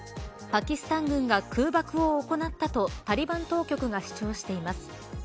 パキスタン軍が空爆を行ったとタリバン当局が主張しています。